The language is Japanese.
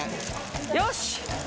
よし！